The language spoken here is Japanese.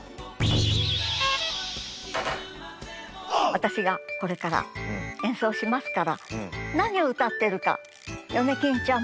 私がこれから演奏しますから何を歌ってるかヨネキンちゃんも当ててね。